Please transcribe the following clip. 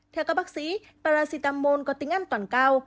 theo các bác sĩ paracetamol có tính an toàn cao